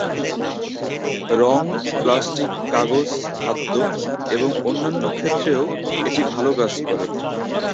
রঙ, প্লাস্টিক, কাগজ, খাদ্য এবং অন্যান্য ক্ষেত্রেও এটি ভালো কাজ করে।